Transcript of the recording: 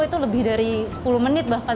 itu lebih dari sepuluh menit bahkan